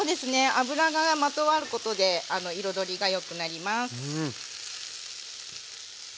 油がまとわることで彩りがよくなります。